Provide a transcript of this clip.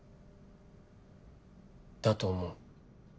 だと思う。